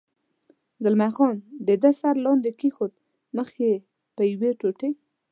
زلمی خان د ده سر لاندې کېښود، مخ یې په یوې ټوټې.